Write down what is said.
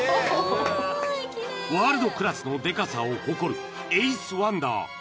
［ワールドクラスのデカさを誇るエイスワンダー］